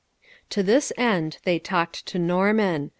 To this end they talked to Norman.